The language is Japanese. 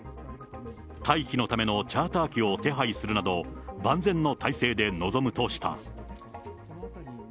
退避のためのチャーター機を手配するなど、万全の態勢で臨むとした。